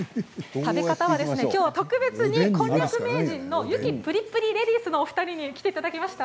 きょうは特別にこんにゃく名人の湯来プリプリレディースのお二人に来ていただきました。